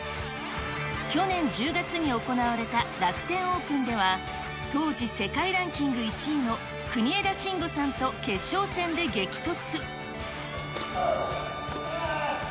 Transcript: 去年１０月に行われた楽天オープンでは、当時世界ランキング１位の国枝慎吾さんと決勝戦で激突。